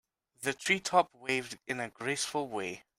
The tree top waved in a graceful way.